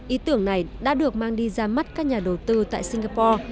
ý tưởng này đã được mang đi ra mắt các nhà đầu tư tại singapore